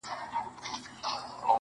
کفن په غاړه ګرځومه قاسم یاره پوه یم,